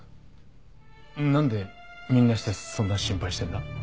何でみんなしてそんな心配してんだ？